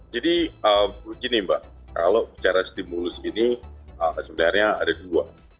jadi begini mbak kalau bicara stimulus ini sebenarnya ada dua